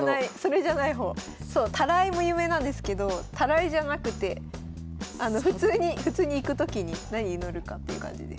たらいも有名なんですけどたらいじゃなくて普通に行くときに何に乗るかっていう感じです。